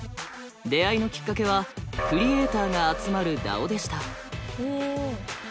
出会いのきっかけはクリエーターが集まるＤＡＯでした。